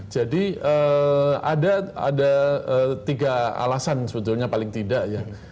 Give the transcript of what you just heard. jadi ada tiga alasan sebetulnya paling tidak